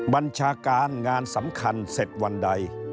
บัญชาการงานสำคัญเสร็จวันใด